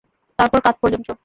তারপর কাঁধ পর্যন্ত।